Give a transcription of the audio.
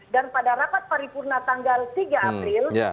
pada rapat paripurna tanggal tiga april